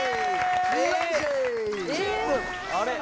あれ？